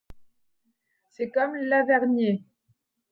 C'est comme Lavernié.